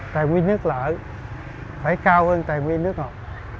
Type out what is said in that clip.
tài nguyên nước lở phải cao hơn tài nguyên nước ngọt